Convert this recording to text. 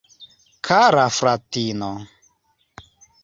Kara fratino!